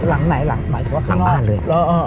หลังไหนหลังหมายถึงว่าข้างนอกหลังบ้านเลย